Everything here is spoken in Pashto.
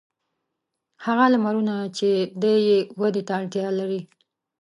هغه لمرونه چې دی یې ودې ته اړتیا لري.